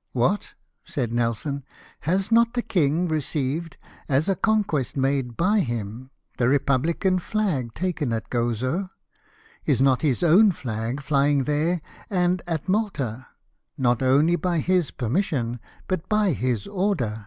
" What !" said Nelson, " has not the king received, as a conquest made by him, the re publican flag taken at Gozo ? Is not his own flag flying there and at Malta, not only by his permission, but by his order